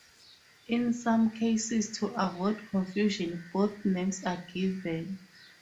In some cases, to avoid confusion, both names are given.